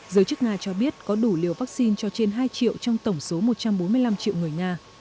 giới chức nga cho biết có đủ liều vaccine cho trên hai triệu trong tổng số một trăm bốn mươi năm triệu người nga